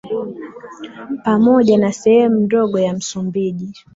pamoja na sehemu ndogo ya Msumbiji